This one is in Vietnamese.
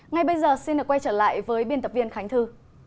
ngay bây giờ xin được quay trở lại với biên tập viên khánh thư